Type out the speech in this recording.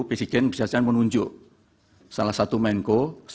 presiden bisa saja menunjuk salah satu menko